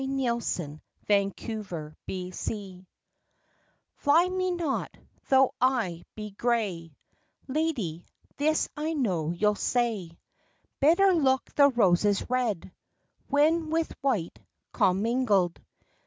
47. UPON HIS GRAY HAIRS Fly me not, though I be gray, Lady, this I know you'll say; Better look the roses red, When with white commingled.